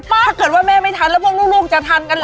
ถ้าเกิดว่าแม่ไม่ทันแล้วพวกลูกจะทันกันเหรอ